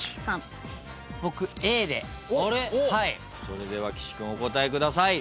それでは岸君お答えください。